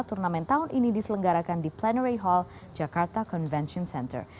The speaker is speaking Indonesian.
turnamen tahun ini diselenggarakan di plenary hall jakarta convention center